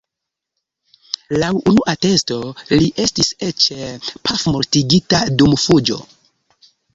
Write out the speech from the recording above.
Laŭ unu atesto li estis eĉ pafmortigita dum fuĝo.